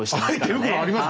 手袋あります